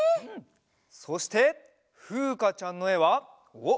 そしてふうかちゃんのえはおっ！